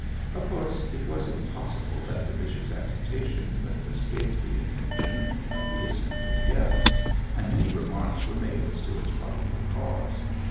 Of course it was impossible that the bishop's agitation could have escaped the attention of the assembled guests, and many remarks were made as to its probable cause.